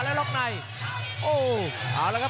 ก็ยังใส่กันอุตลุตครับ